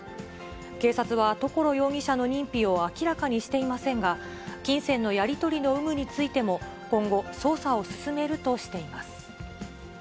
警察は、所容疑者の認否を明らかにしていませんが、金銭のやり取りの有無についても今後、捜査を進めるとしています。